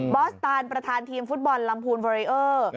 อสตานประธานทีมฟุตบอลลำพูนเวอเรอร์